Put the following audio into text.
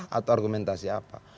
sejarah atau argumentasi apa